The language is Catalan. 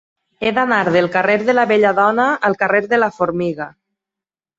He d'anar del carrer de la Belladona al carrer de la Formiga.